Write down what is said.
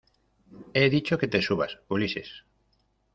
he dicho que te subas, Ulises.